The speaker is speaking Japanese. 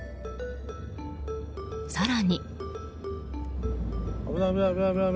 更に。